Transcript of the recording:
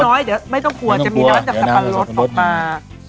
เดี๋ยวไม่ต้องกลัวจะมีน้ำจากสะป๋าเลสต์ออกมา